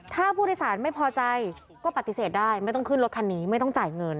ถ้าผู้โดยสารไม่พอใจก็ปฏิเสธได้ไม่ต้องขึ้นรถคันนี้ไม่ต้องจ่ายเงิน